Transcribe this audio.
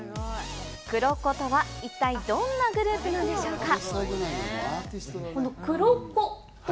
ＫＵＲＯＫＯとは一体どんなグループなんでしょうか？